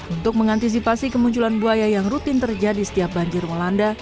untuk mengantisipasi kemunculan buaya yang rutin terjadi setiap banjir melanda